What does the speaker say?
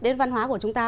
đến văn hóa của chúng ta